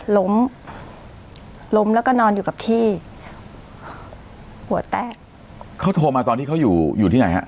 ล้มล้มแล้วก็นอนอยู่กับที่หัวแตะเขาโทรมาตอนที่เขาอยู่อยู่ที่ไหนฮะ